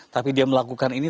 tapi dia melakukan ini